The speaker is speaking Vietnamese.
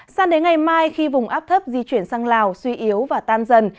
sang đến ngày mai khi vùng áp thấp di chuyển sang lào suy yếu và tan dần